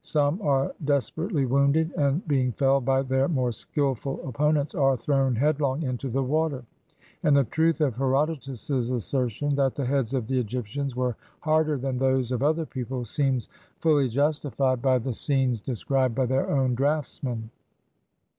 Some are desperately wounded, and, being felled by their more skillful opponents, are throvm headlong into the water; and the truth of Herodotus's assertion, that the heads of the Eg}'ptians were harder than those of other people, seems fully jus tified by the scenes described by their own draftsmen.